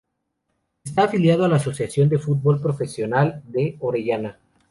Está afiliado a la Asociación de Fútbol Profesional de Orellana.